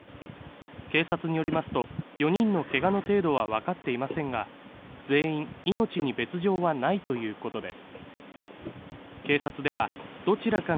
警察によりますと、４人のけがの程度は分かっていませんが、全員、命に別状はないということです。